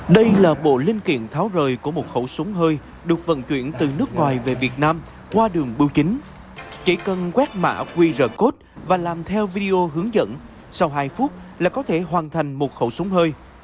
đây là bộ linh kiện tháo rời của một khẩu súng hơi được vận chuyển từ nước ngoài về việt nam qua đường bưu chính chỉ cần quét mã qr code và làm theo video hướng dẫn sau hai phút là có thể hoàn thành một khẩu súng hơi